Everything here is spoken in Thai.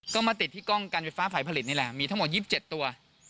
ก็มาติดที่กล้องการไฟฟ้าฝ่ายผลิตนี่แหละมีทั้งหมด๒๗ตัว